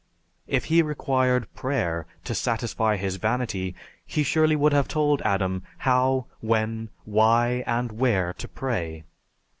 If he required prayer to satisfy his vanity, he surely would have told Adam how, when, why, and where to pray.